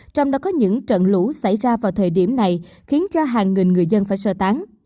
trong đó có những trận lũ xảy ra vào thời điểm này khiến cho hàng nghìn người dân phải sơ tán